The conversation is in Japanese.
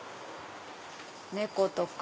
猫とか。